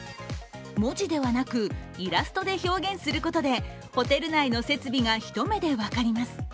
文字ではなく、イラストで表現することでホテル内の設備が一目で分かります。